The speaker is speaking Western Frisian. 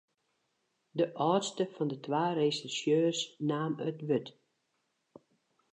De âldste fan de twa resjersjeurs naam it wurd.